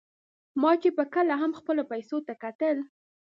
ما چې به کله هم خپلو پیسو ته کتل.